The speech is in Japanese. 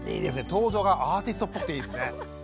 登場がアーティストっぽくていいですね。